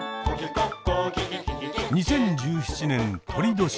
２０１７年とり年